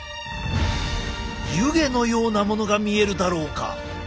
湯気のようなものが見えるだろうか？